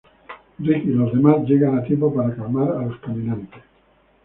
Rick y los demás llegan a tiempo para calmar a los caminantes.